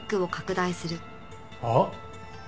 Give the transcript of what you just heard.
あっ。